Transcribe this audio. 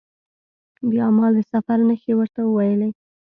بیا ما د سفر نښې ورته وویلي.